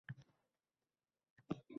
Rohatlarin so’rmasman.